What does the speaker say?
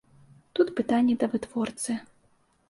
Тут пытанні да вытворцы.